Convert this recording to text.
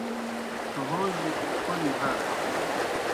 ڇھوݩجیْ کوْمی ہرہ۔